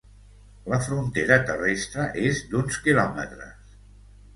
La frontera terrestre és d'uns quilòmetres.